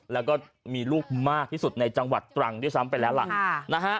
แล้วก็มีลูกมากที่สุดในจังหวัดตรังด้วยซ้ำไปแล้วล่ะ